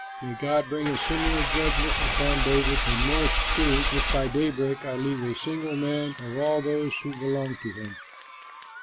May God bring a similar judgment upon David and more too, if by daybreak I leave a single man of all those who belong to him."